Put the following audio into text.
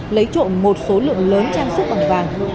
lấy trộm một số lượng lớn trang sức bằng vàng